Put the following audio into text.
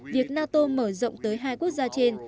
việc nato mở rộng tới hai quốc gia trên